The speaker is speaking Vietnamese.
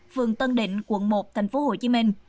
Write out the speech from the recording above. phường tân định quận một tp hcm